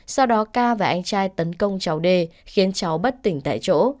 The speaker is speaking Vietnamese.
sau đó k và anh trai tấn công cháu d khiến cháu bất tỉnh tại chỗ